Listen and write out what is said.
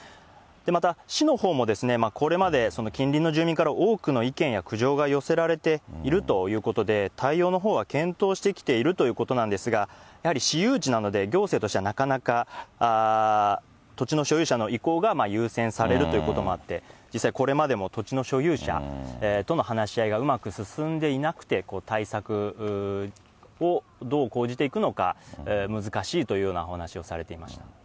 また、市のほうも、これまで、近隣の住民から多くの意見や苦情が寄せられているということで、対応のほうは検討してきているということなんですが、やはり私有地なので、行政としてはなかなか、土地の所有者の意向が優先されるということもあって、実際、これまでも土地の所有者との話し合いがうまく進んでいなくて、対策をどう講じていくのか、難しいというようなお話をされていました。